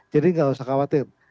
jadi gak usah khawatir